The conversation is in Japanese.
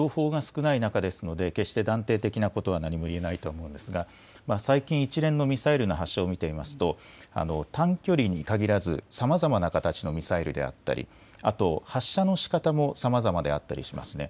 まだ情報が少ない中ですので決して断定的なことは何も言えないとは思うんですが、最近、一連のミサイルの発射を見ていますと短距離に限らずさまざまな形のミサイルであったりあと、発射のしかたもさまざまであったりしますね。